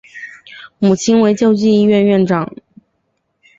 母亲为救济医院院长。